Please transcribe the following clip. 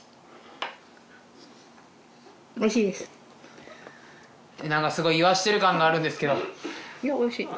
おいしいです何かすごい言わしてる感があるんですけどいやおいしいよ